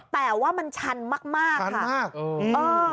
แต่ว่ามันชันมากค่ะ